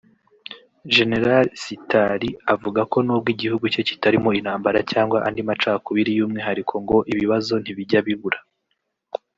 Gen Sitali avuga ko nubwo igihugu cye kitarimo intambara cyangwa andi macakubiri y’umwihariko ngo ibibazo ntibijya bibura